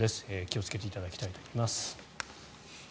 気をつけていただきたいと思います。